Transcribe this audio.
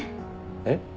えっ？